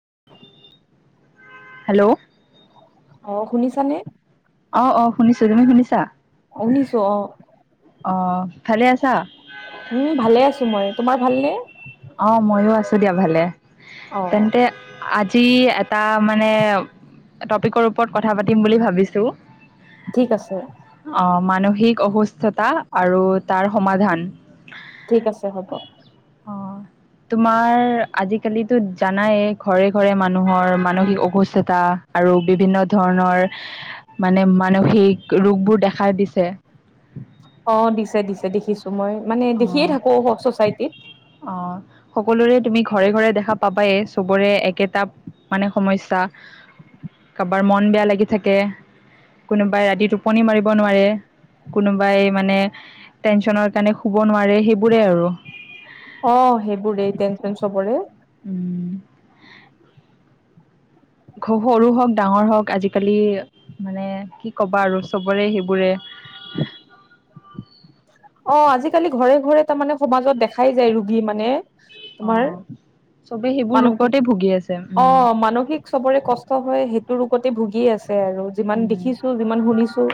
[inaudible] Hello. অঁ শুনিছানে? অ অ শুনিছো তুমি শুনিছা শুনিছো অ আহ ভালে আছা? উম ভালে আছো মই ।তোমাৰ ভালনে? অ ময়ো আছো দিয়া ভালে। অ তেন্তে আজি যি এটা মানে টপিকৰ ওপৰত কথা পাতিম বুলি ভাবিছো । ঠিক আছে থিক অসুস্থতা আৰু তাৰ সমাধান । ঠিক আছে হ'ব । অ তোমাৰ আজিকালিিতো জানাই ঘৰে ঘৰে মানুহৰ মানসিক অসুস্থতা আৰু বিভিন্ন ধৰণৰ মানে মানসিক ৰোগবোৰ দেখাই দিছে । অ দিছে দিছে দেখিছো । ত মই মানে দেখিয়ে অ থাকো চচাইটিত । অ সকলোৰে তুমি । ঘৰে ঘৰে দেখা পাবায়ে। সবৰে একেটা মানে সমস্যা কাৰোবাৰ মন বেয়া লাগি থাকে কোনোবাই ৰাতি টোপনি মাৰিব নোৱাৰে কোনোবাই মানে টেনচনৰ কাৰণে শুব নোৱাৰে সেইবোৰে আৰু অ সেইবোৰে টেনচন চবৰে উম সৰু হওক ডাঙৰ হওক আজিকালি মানে কি কবা আৰু চবৰে সেইবোৰে । অ আজিকালি ঘৰে ঘৰে তাৰমানে সমাজত দেখাই যায় ৰোগী মানে তোমাৰ অ' চবে সেইবোৰ ৰোগতে ভুগি আছে মানসিক অ উম মানসিক চবৰে কষ্ট হয় সেই ৰপতে ভুগি আছে আৰু যিমান উম দেখিছো যিমান শুনিছো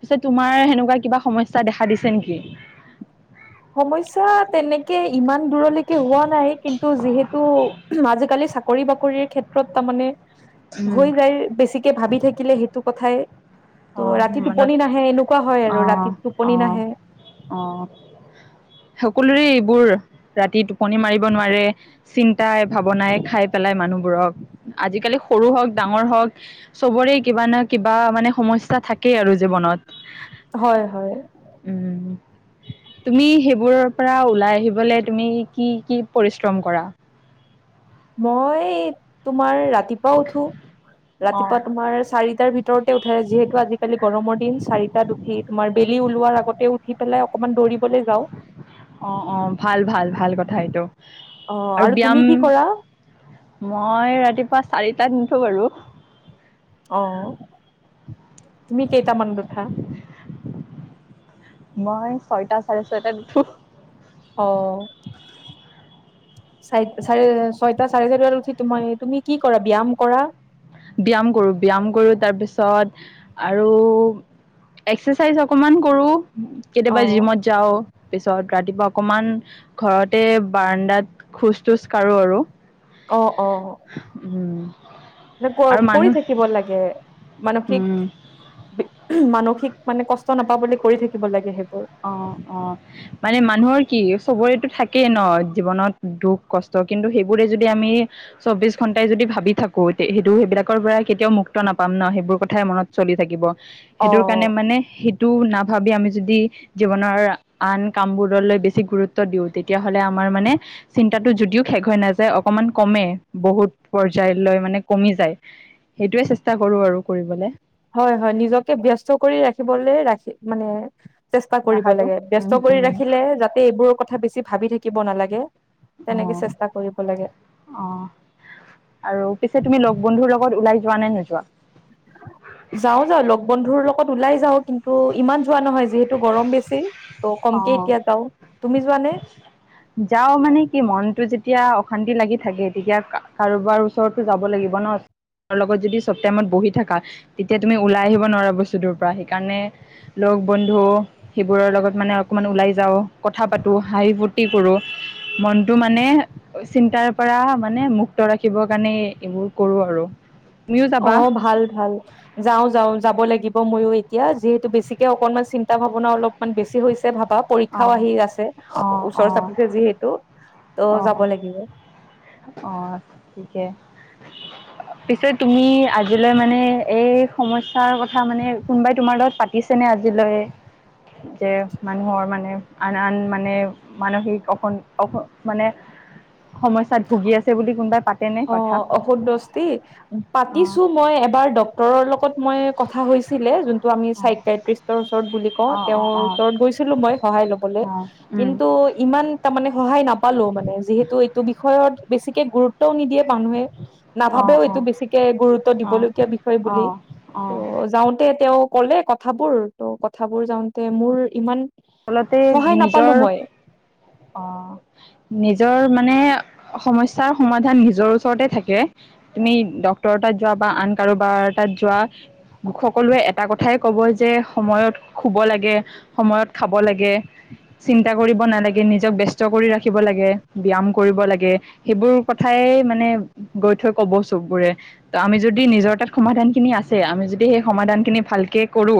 পিত তোমাৰ সেনেকুৱা কিবা সমস্যা দেখা দিছে নেকি? সমস্যা তেনেকে ইমান দূৰলৈকে হোৱা নাই কিন্তু যিহেতু আজিকালি চাকৰি বাকৰিৰ ক্ষেত্ৰত তাৰ মানে উম হৈ যায় বেছিকে ভাবি থাকি থাকিলে সেইটো কথাই ত' অ' ৰাতি মনত টোপনি নাহে এনেকুৱা হয় আৰু অ' ৰাতিত টোপনি অ' নাহে অ', । সকলোৰে এইবোৰ ৰাতি টোপনি মাৰিব নোৱাৰে চিন্তাই ভাৱনাই খাই পেলাই মানুহবোৰক আজিকালি সৰু হওক ডাঙৰ হওক চবৰে কিবা না কিবা মানে সমস্যা থাকেই আৰু জীৱনত হয় হয় উম তুমি সেইবোৰৰ পৰা ওলাই আহিবলে তুমি কি কি পৰিশ্ৰম কৰা । মই তোমাৰ ৰাতি ৰাতিপাও উঠো ৰাতিপুৱা অ', তুমাৰ চাৰিটাৰ ভিতৰতে উঠে যিহেতু আজিকালি গৰমৰ দিন চাৰিাত উঠি তুমাৰ বেলি উল লোৱাৰ আগতে উঠি পেলাই অকণমান দৌৰি অ অ ভাল ভাল ভাল কথা এইটো । অ আৰু তুমি ব্যায়াম কি কৰা মই ৰাতিপুৱা চাৰিটা দটোো বাৰু অ তুমি কেইটামান উঠা? মই ছয়টা চাৰে ছয়টাাতো । অ চাৰে চাৰে ছয়টা চাৰে চাৰি বাত উঠি তোমাৰ তুমি কি কৰা ব্যায়াম কৰা । ব্য্ায়াম কৰো ব্যয়ায়াম কৰো তাৰপিছত আৰু এক্সাৰচাইজ অকমান কৰো । অ কেতিয়াবা জিমত যাও পিছত ৰাতিপুৱা অকমান ঘৰতে বাৰাণ্দাত খোজ তোজ কাঢ়ো আৰু। অঁ অঁ উম আৰু কৰি মানুহ থাকিব লাগে উম মানসিক মানসিক। মানে কষ্ট নাপাব বুলি কৰি থাকিব লাগে সেই। অঁ অঁ মানে মানুহৰ কি সবৰেতো থাকেই ন জীৱনত দুখ কষ্ট কিন্তু সেইবোৰে যদি আমি চৌবিশ ঘন্টাই যদি ভাবি থাকো সেইটো সেইবিলাকৰ পৰা কেতিয়াও মুক্ত নাপাম ন সেইবোৰ কথাই মনত চলি থাকিব [unintelligible] অ সেইটোৰ কাৰণে মানে শ তটো নাভাবি আমি যদি জীৱনৰ আন কামবোৰলৈ বেছি গুৰুত্ব দিও তেতিয়াাহ'লে আমাৰ মানে চিন্তাটো যদিও শেষ হৈ নাযায় অকমান কমে বহুত পৰ্যায়লৈ মানে কমি যায় সেইটোোৱে চেষ্টা কৰো আৰু কৰিবলৈ [unintelligible] হয় হয় নিজকে ব্যস্ত কৰি ৰাখিবলৈ ৰাখি মানে [unintelligible] চেষ্টা কৰিব আশাটো লাগে উম ব্স্ত কৰি উম ৰাখিলে যাতে এইবোৰৰ কথা বেছি ভাবি থাকে [unintelligible] শিকিব নালাগে। অ তেনেকে চেষ্টা কৰিব লাগে অ আৰু পিছে তুমি লগ বন্ধুৰ লগত ওলাই যোৱা নে নো যোৱা যাও যাও লগ বন্ধুৰ লগত ওলাই যাও কিন্তু ইমান যোৱা নহয় যিহেতু গৰম বেছি [unintelligible] অ কমকে এতিয়া যাওঁ তুমি যোৱানে যাও মানে কি মনতটো যেতিয়া [unintelligible] তেতিয়া অশান্তি লাগি থাকে তেতিয়া কাৰোবাৰ ওচৰতো যাব লাগিব ন লগত যদি চব টাইমত বহি থাকা তেতিয়া তুমি ওলাই আহিব নোৱাৰা বস্তুদূৰ পৰা সেইকাৰণে লগ বন্ধু সেইবোৰৰ লগত [unintelligible] ওলাই যাওঁ কথা পাতো হাঁহি ফূৰ্তি কৰো মনটো মানে চিন্তাৰ পৰা মানে মুক্ত ৰাখিব কাৰণে এইবোৰ কৰো আৰু [unintelligible] অঁ ভাল ভাল যাঁও যাঁও যাব লাগিব। ময়ো এতিয়া যিহেতু বেছিকে অকনমান চিন্তা ভাৱনা অলপমান বেছি হৈছে। ভাবা পৰীক্ষাও অ', আহি আছে অ', ওচৰ অ', চাপিছে যিহেতু ত' যাব অ', লাগিব। অ িকে পিছে তুমি আজিলৈ মানে এই সমস্্যাৰ কথা মানে কোনোবাই তোমাৰ লগত পাতিছেনেে আজিলৈ যে মানুহৰ মানে আন আন মানে মানসিক অ অ মানে [unintelligible] তাত ভুগি আছে বুলি কোনোবাই পা [unintelligible] অ অসসি অ পাতিছো মই এবাৰ [unintelligible] ৰ লগত মই কথা হৈছিলে। ত আমি অ চকট্ৰিষ্টৰ ওচৰত বুলি [unintelligible] অ অ তেওঁৰ অ ওচৰত গৈছিলো মই। সহায় লবলৈ অ উম কিন্তু ইমান তাৰে সহায় নাপই পালো মানে যিহেতু এইটো বিষয়ত বেছিকে গুৰুত্ব নিদিয়ে মানুহে। অ নাভাবেও অ এইটো বেছিকে গুৰুত্ব অ দিবলগীয়া বিষয় অ বুলি অ ত' যাওঁ। তেওঁ কলে কথাবোৰ ত কথাবোৰ যাওঁতে মোৰ ইমান [unintelligible] আচলতে সহায় নাপালো নিজৰ মই আহ । নিজৰ মানে সমস্যাৰ সমাধান নিজৰ ওচৰতে থাকে তুমি ড্ক্তৰ তাত যোৱা বা আন কাৰোবাৰ তাত যোৱা সকলোৱে এটা কথাই কব যে সময়ত শুব লাগে সময়ত খাব লাগে চিন্তা কৰিব নালাগে নিজক ব্যস্ত কৰি ৰাখিব লাগে ব্য্ায়াম কৰিব লাগে সেইবোৰ কথাই মানে গৈ থৈ কব চববোৰে ত আমি যদি নিজৰ তাত সমাধান খিনি আছে আমি যদি সেই সমাধান খিনি ভালকে কৰো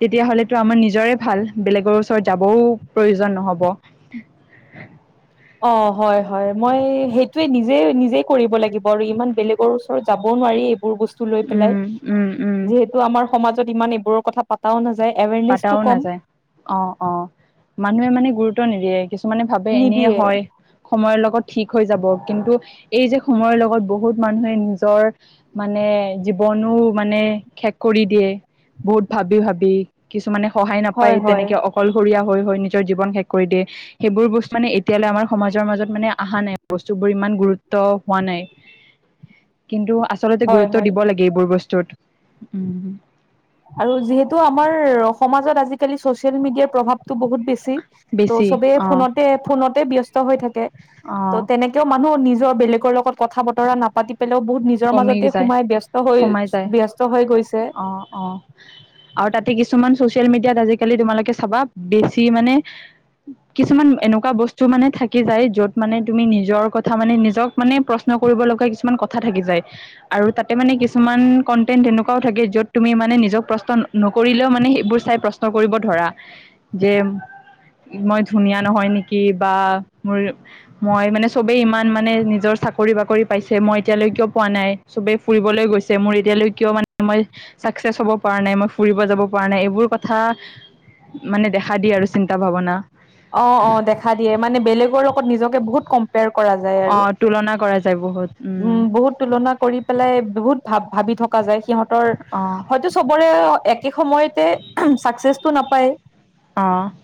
তেতিয়াাহ'লেতো আমাৰ নিজৰে ভাল বেলেগৰ ওচৰত যাবও প্ৰয়োজন নহ'ব । অ হয় হয় মই সেইটোয়ে নিজে নিজে কৰিব লাগিব আৰু ইমান বেলেগৰ ওচৰত যাব নোৱাৰি এইবোৰ বস্তু ল পেলাই উম উম উম যিহেতু আমাৰ সমাজত । ইমান এইবোৰ কথা পাতাও নাযায় । পাতাও নাযায় অ অ মানুহে মানে গুৰুত্ব নিদিয়ে কিছুমানে ভাবে এনে নিদিয়ে হয় সময়ৰ লগত ঠিক হৈ যাব কিন্তু । এই যে সময়ৰ লগত বহুত মানুহে নিজৰ মানে জীৱনো মানে শেষ কৰি দিয়ে বহুত ভাবি ভাবি । কিছুমানে সহায় হয় নাপায় হয় তেনেকে অকলশৰীয়া । হৈ নিজৰ জীৱন শেষ কৰি দিয়ে সেইবোৰ বস্তু মানে এতিয়ালৈ আমাৰ সমাজৰ মাজত মানে অহা নাই বস্তুবোৰ ইমান গুৰুত্ব হোৱা নাইন্ত আচলতে হয় গুৰুত হয় দিবালাগে এইবোৰ বস্তু চট উম । আৰু যিহেতু আমাৰ সমাজত আজিকালি চচিয়েল মিডিয়াৰ প্ৰভাৱতটো বহুত বেছি । ত বেছি চবে অ ফোনতে ফোনত তে ব্যস্ত হৈ থাকে । অ ত' তেনেকেও মানুহ নিজ বেলেগৰ লগত কথা বতৰা নাপাতি । পলেও বহুত নিজৰ কমি মাজতে যায় সোমাই ব্যস্ত হৈ সোমাই যায় ব্যস্ত হৈ গৈছে ।। অ অ আৰু তাতে কিছুমান চচিয়েল মিডিয়াত আজিকালি তোমালোকে চাবা বেছি মানে কিছুমান এনেকুৱা বস্তু মানে থাকি যায় যত মানে তুমি নিজৰ কথা মানে নিজক মানে প্ৰশ্ন কৰিব লগা কিছুমান কথা থাকি যায় । আৰু তাতে মানে কিছুমান কন্টেন্ট এনেকুৱাও থাকে যত তুমি মানে নিজক প্ৰশ্ন নকৰিলেও মানে সেইবোৰ চাই প্ৰশ্ন কৰিব ধৰা যে মই ধুনীয়া নহয় নেকি বা মোৰ মই মানে চবেই ইমান মানে নিজৰ চাকৰি বাকৰি পাইছে মই এতিয়ালৈ কিয় । পোৱা নাই চবেই ফুৰিবলৈ গৈছে মোৰ এতিয়ালৈ কিয় মানে মই চাকচেছ হ'ব পৰা নাই মই ফুৰিব যাব পৰা নাই এইবোৰ কথা মানে দেখা দিয় আৰু চিন্তা ভাৱনা । অ অ দেখা দিয়ে মানে বেলেগৰ লগত নিজকে বহুত [inaudible] ভ হয় যায় অ আৰু তুলনা কৰা যায় বহুত উম বহুতো তুলনা কৰি পেলাই বহুত ভাবি থকা যায় সিহঁতৰ অ হইটো চবৰে আকেসময়তে চাকচেছ । তো নাপায় । অঁ ।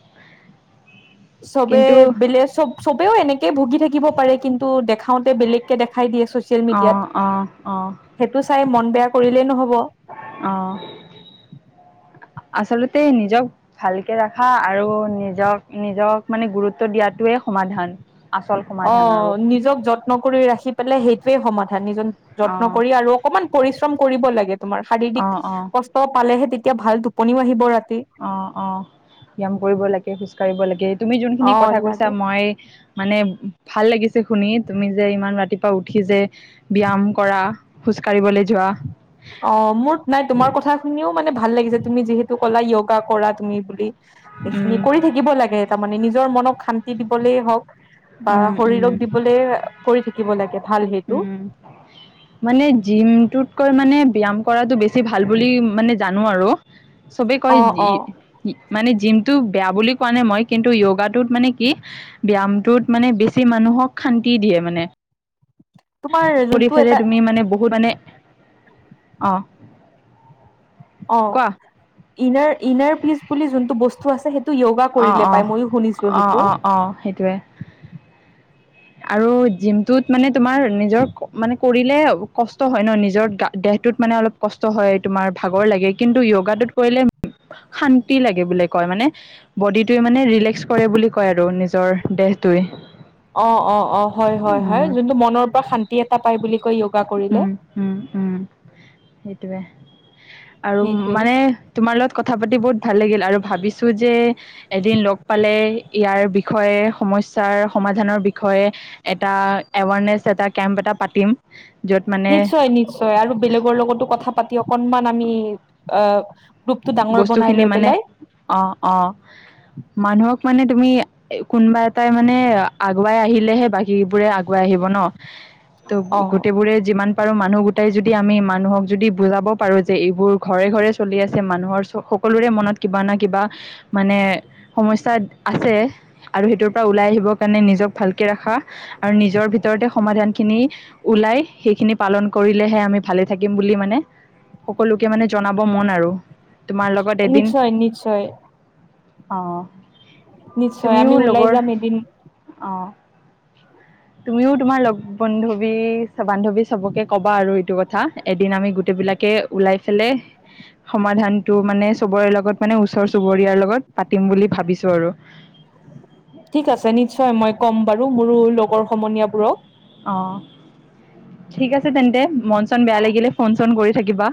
চবে বেলে চব । চবেও এনেকে ভুগি থাকিব পাৰে কিন্তু দেখা - বেলেগকে দেখাই দিয়ে চছিয়েল অ অ মেডিয়াত। হেটো চাই মন বেয়া কৰিলেই নহ'ব। অহ। আচলতে নিজক ভালকে ৰাখা, আৰু নিজক নিজক মানে গুৰুত্ব দিয়াতোৱে অ' নিজক যত্ন কৰি ৰাখি পেলাই সেইটোয়ে সমাধান। নিজন যত্ন অ কৰি আৰু অকমান পৰিশ্ৰম কৰিব লাগে। তোমাৰ শাৰীৰিক অ', অ', কষ্ট পালেহে তেত এতিয়া ভাল টোপনিও আহিব ৰাত‌ অ' অ' ব্যায়াম কৰিব লাগে কিছু। কৰিব লাগে। তুমি যোনখিনি অ কথা লাগে কৈছা মই মানে ভাল লাগিছে শুনি তুমি যে ইমান ৰাতিপুৱা উঠি যে ব্যায়াম কৰা। খোজ কাঢ়িবলৈ যোৱা। অ', মোৰ নাই তোমাৰ কথা শুনিও মানে ভা ভাল লাগিছে। তুমি যিহেতু কলা য়োগা কৰা তুমি বুলি। উম, এইখিনি কৰি থাকিব লাগে তাৰমানে নিজ নিজৰ মনক শান্তি দিবলেই হওক। বা উম, উম, শৰীৰক দিবলে কৰি থাকিব লাগে ভাল সেইটো। উম। মানে জিমটোতকৈ মানে ব্যায়াম কৰাতটো বেছি ভাল বুলি মানে জানো আৰু। চবে অ কয়‌‌ অ ই - ই - মানে জিমটো বেয়া বুলি কোৱা নাই মই কিন্তু য়োগাটোত মানে কি ব্যায়ামটোত মানে বেছি মানুহক শান্তি দিয়ে মানে। তোমাৰ কৰি যোনটো ফেলে এটা তুমি মানে বহুত মানে অঁ। অ', ইনাৰ - ইনাৰ পিচ বুলি যোনটো বস্তু আছে সেইট টো য়োগা অ কৰিলে অ পাই ময়ো শুনিছো অ সেইটো। অ অ সেইটোৱে আৰু জিমটোত মানে তোমাৰ নিজৰ ক - মানে কৰিলে কষ্ট হয় ন' নিজৰ গা - দেহটোত মানে অলপ কষ্ট হয় তোমাৰ ভাগৰ লাগে কিন্তু য়োগাটোত কৰিলে শান্তি লাগে বুলি কয় মানে, বডিটোৱে মানে ৰিলেক্স কৰে বুলি কয় আৰু নিজৰ দেহটোৱে। অ' অ' অ', হয় হয় হয় উম । যোনটো মনৰ পৰা শান্তি এটা পায় বুলি কয় য়োগা কৰিলে। টোৱে। আৰু সেইটোৱে মানে তোমাৰ লগত কথা পাতি বহুত‌ ভাল লাগিল। আৰু ভাবিছোঁ যে‌ এদিন লগ পালে ইয়াৰ বিষয়ে সমস্যাৰ সমাধানৰ বিষ বিষয়ে এটা এৱাৰনেছ এটা কেম্প এটা পাতিম। য'ত মানে নিশ্চয় নিশ্চয়, আৰু বেলেগৰ লগতো কথা পাতি অকনমান আমি অ' [inaudible] বস্তু খিনি মানে, অ' অ' মানুহক মানে তুমি কোনোবা এটাই মানে আগুৱাই আহিলেহে বাকীবোৰে আগুৱাই আহিব ন! ত' অ গোটেইবোৰে যিমান পাৰোঁ, মানুহ গোটাই যদি আমি মানুহক যদি বুজাব পাৰো যে এইবোৰ ঘৰে ঘৰে চলি আছে মানুহৰ সকলোৰে মনত কিবা না কিবা মানে সমস্যাত আছে আৰু সেইটোৰ পৰা ওলাই আহিবৰ কাৰণে নিজক ভালকে ৰাখা আৰু নিজৰ ভিতৰতে সমাধানখিনি ওলাই সেইখিনি পালন কৰিলেহে আমি ভালে থাকিম বুলি মানে সকলোকে মানে জনাব মন আৰু। তোমাৰ নিশ্চয় নিশ্চয়। অ'। নিশ্চয় আমি ওলাই যাম এদিন। অঁ তুমিও তোমাৰ লগ বন্ধৱী - বান্ধৱী চবকে কব বা আৰু এইটো কথা, এদিন আমি গোটেইবিলাকে ওলাই ফালে সমাধানটো মানে চবৰে লগত মানে ওচৰ চুবুৰীয়াৰ লগত পাতিম বুলি ভাবিছো আৰু। ঠিক আছে, নিশ্চয় মই ক'ম। বাৰু মোৰো লগৰ সমনীয়াবোৰক। অঁ, ঠিক আছে তেন্তে। মন চন বেয়া লাগিলে ফোন চোন কৰি থাকিবা।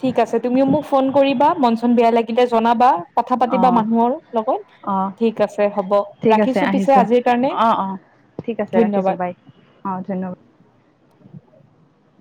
ঠিক আছে, তুমিও মোক ফোন কৰিবা মন চ চন বেয়া লাগিলে জনাবা। কথা অ পাতিবা মানুহৰ লগত, অ ঠিক আছে হ'ব ঠিক আছে ৰাখিছো পিছে আহিছোঁ আজিৰ কাৰণে, অ অ ঠিক আছে ৰাখিছোঁ বাই ধন্যবাদ।